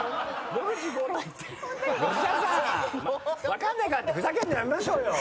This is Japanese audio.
分かんないからってふざけるのやめましょうよ。